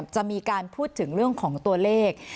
จะมีการพูดถึงเรื่องของตัวเลข